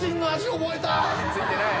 火ついてない。